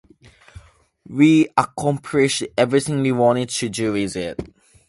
We accomplished everything we wanted to do with it.